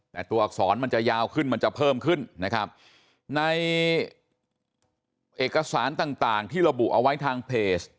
แต่ตัวอักษรมันจะยาวขึ้นมันจะเพิ่มขึ้นนะครับในเอกสารต่างต่างที่ระบุเอาไว้ทางเพจ